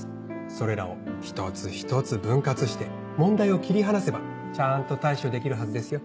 それらを一つ一つ分割して問題を切り離せばちゃんと対処できるはずですよ。